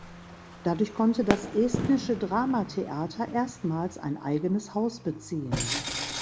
Dadurch konnte das "Estnische Dramatheater" erstmals ein eigenes Haus beziehen.